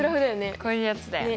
こういうやつだよね。